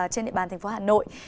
trên địa bàn thành phố hà nội